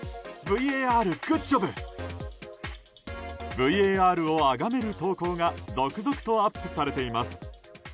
ＶＡＲをあがめる投稿が続々とアップされています。